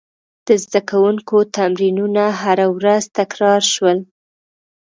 د زده کوونکو تمرینونه هره ورځ تکرار شول.